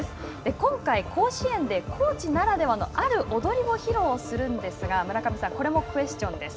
今回、甲子園で、高知ならではの踊りを披露するんですが村上さん、これもクエスチョンです。